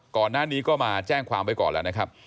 ก่อนหน้านี้ก็มาแจ้งความไว้ก่อนแล้วนะครับ